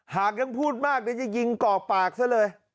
หากยังพูดมากจะยิงกรอกปากซะเลย